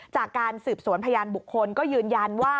จากการสืบสวนพยานบุคคลก็ยืนยันว่า